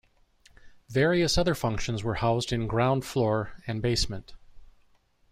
Various other functions were housed in ground floor and basement.